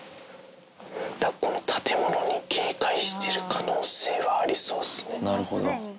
この建物に警戒してる可能性はありそうっすね。